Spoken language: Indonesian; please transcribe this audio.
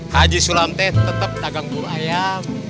haji sulam teh tetep dagang buah ayam